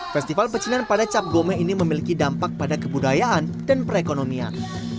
festival pecinan pada cap gome ini memiliki dampak pada kebudayaan dan perekonomian